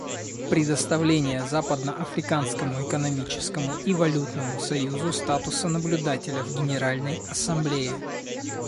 Предоставление Западноафриканскому экономическому и валютному союзу статуса наблюдателя в Генеральной Ассамблее.